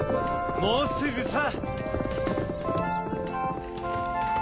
もうすぐさ。